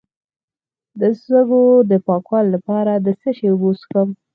د سږو د پاکوالي لپاره د څه شي اوبه وڅښم؟